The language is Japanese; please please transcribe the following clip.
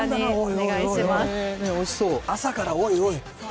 朝から、おいおい。